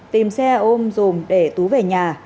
tìm xe ôm dùm để tú về nhà